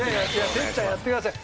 哲ちゃんやってください。